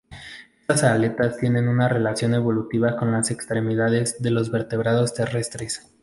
Esas aletas tienen una relación evolutiva con las extremidades de los vertebrados terrestres.